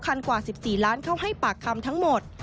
กว่า๑๔ล้านเข้าให้ปากคำทั้งหมด